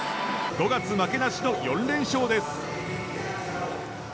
５月負けなしの４連勝です。